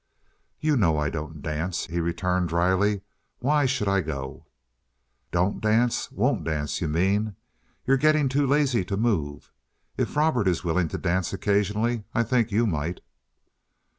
"You know I don't dance," he returned dryly. "Why should I go?" "Don't dance? Won't dance, you mean. You're getting too lazy to move. If Robert is willing to dance occasionally I think you might."